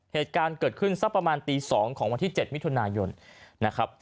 เหตุการณ์เกิดขึ้นสักประมาณตี๒ของวันที่๗มิถุนายนนะครับ